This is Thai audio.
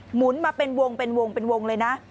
หมุนมาเป็นวงเลยนะ